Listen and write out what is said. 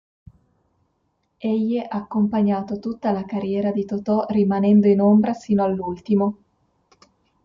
Egli ha accompagnato tutta la carriera di Totò rimanendo in ombra sino all'ultimo.